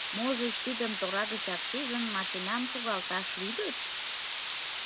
Можыч, тидым тора гычак шижын, машинам шогалташ лӱдыт?